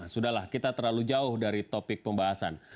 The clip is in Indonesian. sudahlah kita terlalu jauh dari topik pembahasan